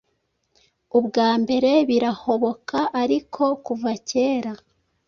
Ubwa mbere birahoboka ariko kuva kera